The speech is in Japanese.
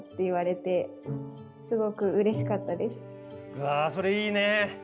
うわそれいいね！